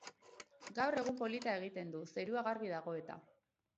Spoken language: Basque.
Gaur egun polita egiten du, zerua garbi dago eta